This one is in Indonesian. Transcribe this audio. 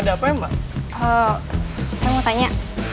dia punya suara